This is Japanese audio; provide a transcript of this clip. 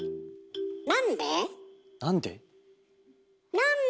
なんで？